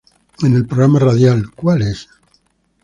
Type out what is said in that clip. En el programa radial "Cual es?